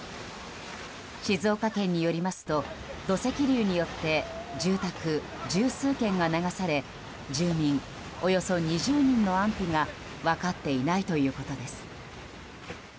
静岡県によりますと土石流によって住宅十数軒が流され住民およそ２０人の安否が分かっていないということです。